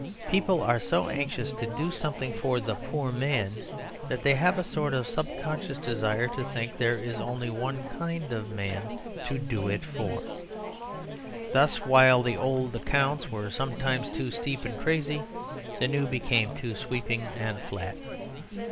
People are so anxious to do something for the poor man that they have a sort of subconscious desire to think that there is only one kind of man to do it for. Thus while the old accounts were sometimes too steep and crazy, the new became too sweeping and flat.